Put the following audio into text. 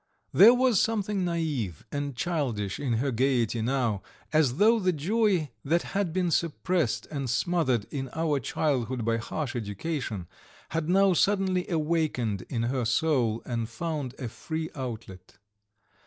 There was something naïve and childish in her gaiety now, as though the joy that had been suppressed and smothered in our childhood by harsh education had now suddenly awakened in her soul and found a free outlet.